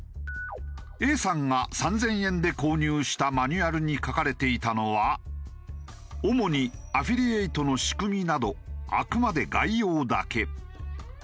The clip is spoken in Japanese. Ａさんが３０００円で購入したマニュアルに書かれていたのは主にアフィリエイトの仕組みなどあくまで概要だけ。